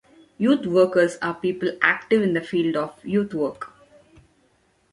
Youth workers are people active in the field of youth work.